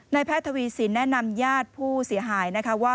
นายแพทย์ทวีสินแนะนำญาติผู้เสียหาย